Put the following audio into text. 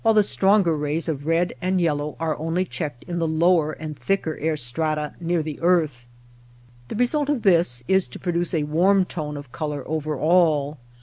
the stronger rays of red and yellow are only checked in the lower and thicker air strata near the earth. The result of this is to pro duce a warm tone of color over all.